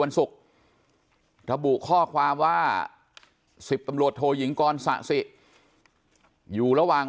ศุกร์ระบุข้อความว่า๑๐ตำรวจโทยิงกรสะสิอยู่ระหว่าง